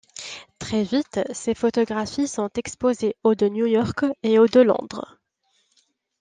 Très vite, ces photographies sont exposées au de New York et au de Londres.